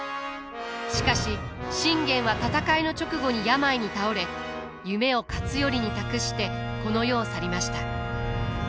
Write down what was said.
しかし信玄は戦いの直後に病に倒れ夢を勝頼に託してこの世を去りました。